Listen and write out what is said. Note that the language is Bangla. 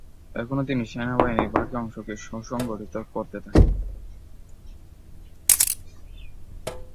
এখানে তিনি সেনাবাহিনীর বাকি অংশকে সংগঠিত করতে থাকেন।